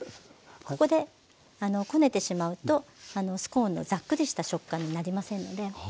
ここでこねてしまうとスコーンのザックリした食感になりませんので。